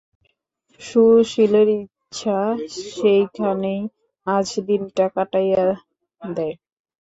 সুশীলের ইচ্ছা, সেইখানেই আজ দিনটা কাটাইয়া দেয়।